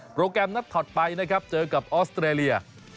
แกรมนัดถัดไปนะครับเจอกับออสเตรเลีย